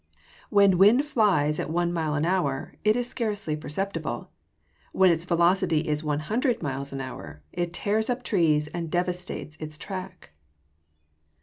When wind flies at one mile an hour, it is scarcely perceptible. When its velocity is one hundred miles an hour, it tears up trees, and devastates its track.